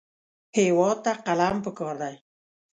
هېواد ته قلم پکار دی